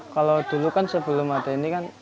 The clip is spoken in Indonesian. kalau dulu kan sebelum ada ini kan